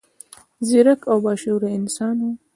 ځیرک او با شعوره انسان و.